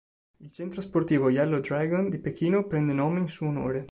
Il Centro sportivo Yellow Dragon di Pechino prende nome in suo onore.